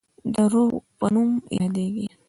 د روه په نوم یادیږي.